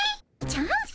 チャンス？